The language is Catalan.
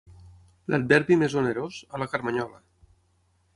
L'adverbi més onerós, a la carmanyola.